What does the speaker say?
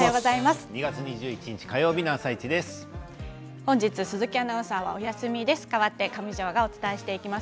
２月２１日火曜日の「あさイチ」です。